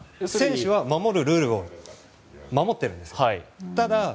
選手は守るルールを守っています。